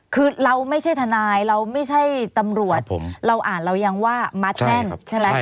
คือเราไม่ใช่ทนายเราไม่ใช่ตำรวจเราอ่านเรายังว่ามัดแน่นใช่ไหม